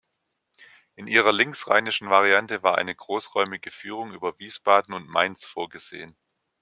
In ihrer linksrheinischen Variante war eine großräumige Führung über Wiesbaden und Mainz vorgesehen.